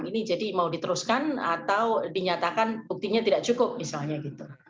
ini jadi mau diteruskan atau dinyatakan buktinya tidak cukup misalnya gitu